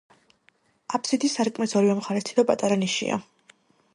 აფსიდის სარკმლის ორივე მხარეს თითო პატარა ნიშია.